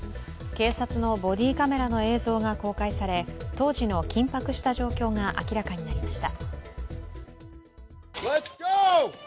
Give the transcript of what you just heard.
警察のボディーカメラの映像が公開され当時の緊迫した状況が明らかになりました。